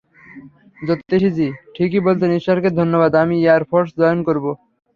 জ্যোতিষীজি ঠিকই বলতেন -ঈশ্বরকে ধন্যবাদ - আমি এয়ারফোর্স জয়েন করব।